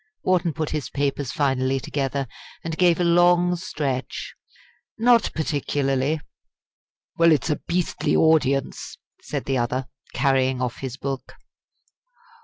Wharton put his papers finally together, and gave a long stretch. "Not particularly." "Well, it's a beastly audience!" said the other, carrying off his book.